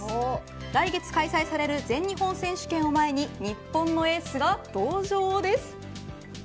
来月開催される全日本選手権を前に日本のエースが登場です。